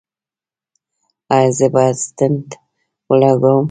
ایا زه باید سټنټ ولګوم؟